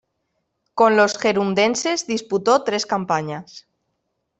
Con los gerundenses disputó tres campañas.